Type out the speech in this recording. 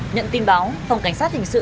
nhận tin báo phòng cảnh sát hình sự